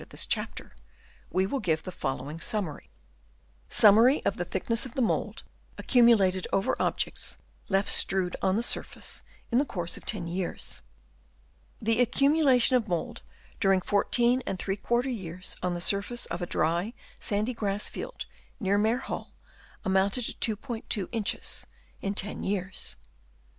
of this chapter), we will give the following summary :— Summary of the thickness of the Mould accumulated over Objects left strewed on the Surface, in the course of ten years. The accumulation of mould during 14f years on the surface of a dry, sandy, grass field near Maer Hall, amounted to 2*2 inches in 10 years.